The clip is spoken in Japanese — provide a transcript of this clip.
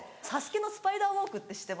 『ＳＡＳＵＫＥ』のスパイダーウォークって？